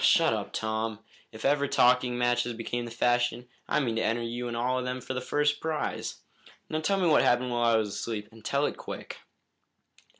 "Shut up, Tom. If ever talking matches become the fashion, I mean to enter you in all of them for the first prize. Now, tell me what happened while I was asleep, and tell it quick!"